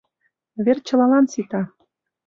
Вер чылалан сита...